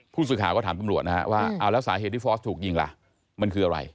ผู้สื่อข่าวก็ถามตำรวจนะฮะว่าเอาแล้วสาเหตุที่ฟอร์สถูกยิงล่ะมันคืออะไร